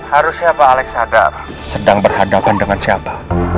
harusnya pak alex hadar sedang berhadapan dengan siapa